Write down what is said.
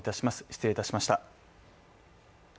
失礼いたしました。